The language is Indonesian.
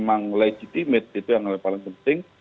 memang legitimate itu yang paling penting